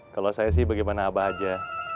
kalau saya sih bagaimana abah aja